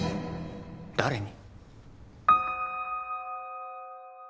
誰に？